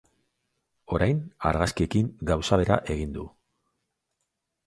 Orain, argazkiekin gauza bera egin du.